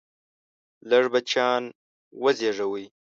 لږ بچیان وزیږوئ!